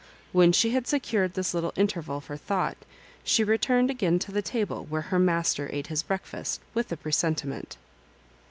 When she had secured this littie interval for thought, she returned again to the table, where her mas ter ate his breaktast, with a presentiment.